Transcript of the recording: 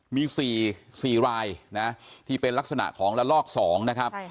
มี๔รายนะที่เป็นลักษณะของละลอก๒นะครับ